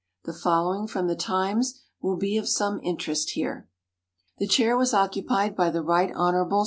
The following from The Times will be of some interest here: The chair was occupied by the Rt. Hon.